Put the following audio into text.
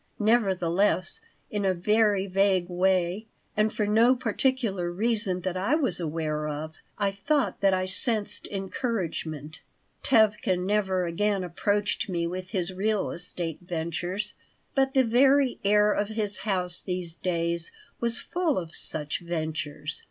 Nevertheless, in a very vague way, and for no particular reason that I was aware of, I thought that I sensed encouragement Tevkin never again approached me with his real estate ventures, but the very air of his house these days was full of such ventures.